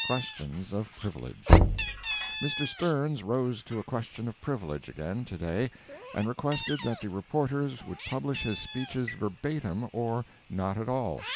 QUESTIONS OF PRIVILEGE Mr. STERNS rose to a question of privilege again, to day, and requested that the reporters would publish his speeches verbatim or not at all.